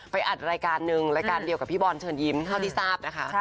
อัดรายการหนึ่งรายการเดียวกับพี่บอลเชิญยิ้มเท่าที่ทราบนะคะ